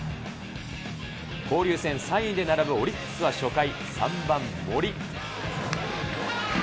交流戦３位で並ぶオリックスは初回、３番森。